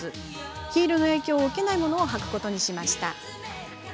ヒールの影響を受けないものを履くことにしました。